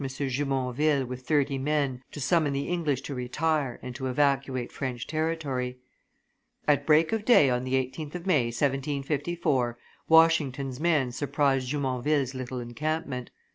de Jumonville with thirty men to summon the English to retire and to evacuate French territory. At break of day on the 18th of May, 1754, Washington's men surprised Jumonville's little encampment.